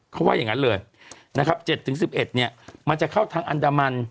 เขาว่าอย่างนั้นเลยนะครับ๗๑๑เนี่ยมันจะเข้าทางอันดามัน